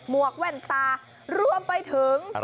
วกแว่นตารวมไปถึง